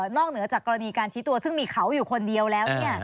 เหนือจากกรณีการชี้ตัวซึ่งมีเขาอยู่คนเดียวแล้ว